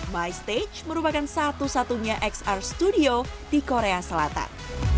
by stage merupakan satu satunya xr studio di korea selatan